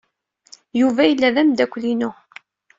Yuba yella d ameddakel-inu.